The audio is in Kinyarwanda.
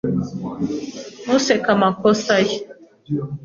Ntuseke amakosa ye